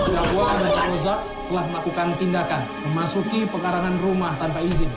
dapwa dan pak nozak telah melakukan tindakan memasuki pengarangan rumah tanpa izin